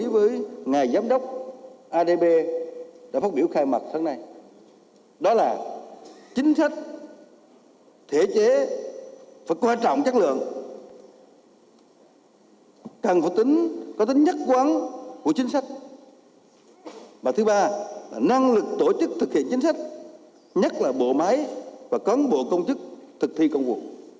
và thứ ba là năng lực tổ chức thực hiện chính sách nhất là bộ máy và cấn bộ công chức thực thi công vụ